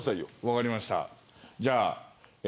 分かりました。